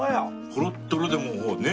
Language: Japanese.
トロットロでもうね。